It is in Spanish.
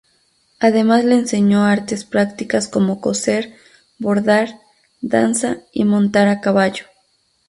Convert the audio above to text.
Además le enseñó artes prácticas como coser, bordar, danza y montar a caballo.